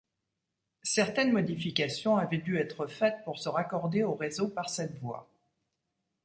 Certaines modifications avaient dû être faites pour se raccorder au réseau par cette voie.